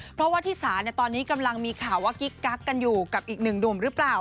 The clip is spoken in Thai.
เพราะว่าที่สาตอนนี้กำลังมีข่าวว่ากิ๊กกักกันอยู่กับอีกหนึ่งหนุ่มหรือเปล่า